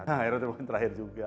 nah error terakhir juga